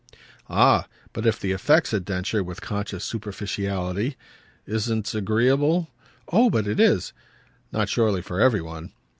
"Ah but if the effect," said Densher with conscious superficiality, "isn't agreeable ?" "Oh but it is!" "Not surely for every one."